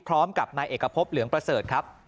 พร้อมกับนายเอกพบเหลืองประเสริฐครับ